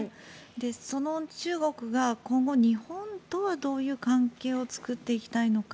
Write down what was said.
その中国が今後、日本とはどういう関係を作っていきたいのか。